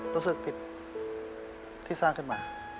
รู้สึกผิดที่สร้างขึ้นมา